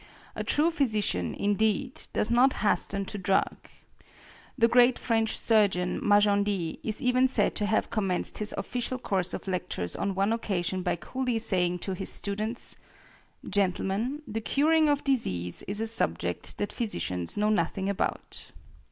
A true physician, indeed, does not hasten to drug. The great French surgeon, Majendie, is even said to have commenced his official course of lectures on one occasion by coolly saying to his students: "Gentlemen, the curing of disease is a subject that physicians know nothing about."